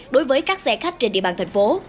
đối với các xe khách trên địa bàn thành phố